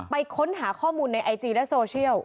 ค้นหาข้อมูลในไอจีและโซเชียล